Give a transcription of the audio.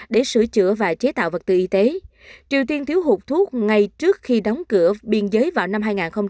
để sửa chữa và chế tạo vật tư y tế triều tiên thiếu hụt thuốc ngay trước khi đóng cửa biên giới vào năm hai nghìn hai mươi